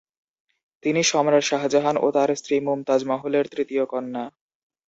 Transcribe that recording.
তিনি সম্রাট শাহজাহান ও তার স্ত্রী মুমতাজ মহলের তৃতীয় কন্যা।